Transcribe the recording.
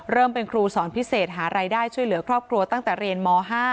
เป็นครูสอนพิเศษหารายได้ช่วยเหลือครอบครัวตั้งแต่เรียนม๕